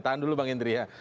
tahan dulu bang indri ya